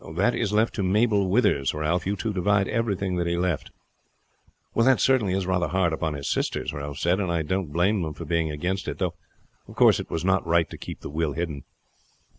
"That is left to Mabel Withers, Ralph. You two divide everything that he left." "Well, that certainly is rather hard upon his sisters," Ralph said; "and I don't blame them for being against it. Though, of course, it was not right to keep the will hidden."